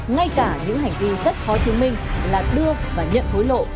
ngay cả những hành vi rất khó chứng minh là đưa và nhận hối lộ